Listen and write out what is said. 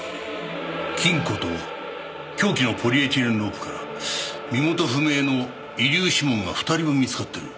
金庫と凶器のポリエチレンロープから身元不明の遺留指紋が２人分見つかってる。